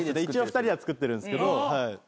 一応２人は作ってるんすけど。